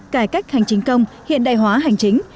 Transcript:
cải cách hành chính công hiện đại hóa hành chính